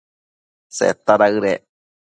Seta daëdec